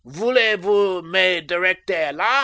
Voulez vous me directer la?